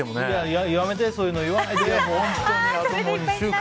やめてそういうの言わないで！